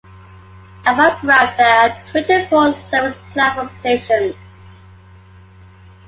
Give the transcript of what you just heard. Above ground, there are twenty-four surface platform stations.